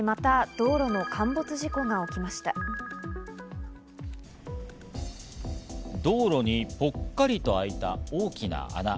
道路にぽっかりと空いた大きな穴。